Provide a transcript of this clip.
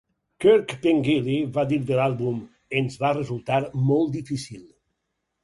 Kirk Pengilly va dir de l'àlbum: "Ens va resultar molt difícil".